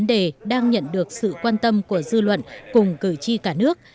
đề đang nhận được sự quan tâm của dư luận cùng cử tri cả nước